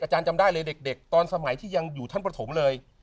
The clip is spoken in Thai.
อาจารย์จำได้เลยเด็กเด็กตอนสมัยที่ยังอยู่ท่านประถมเลย